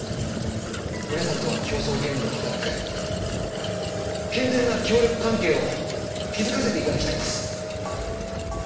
皆さんとは競争原理の働く健全な協力関係を築かせていただきたいんです。